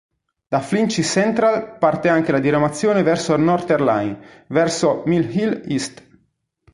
Da "Finchley Central" parte anche la diramazione della "Northern Line" verso Mill Hill East.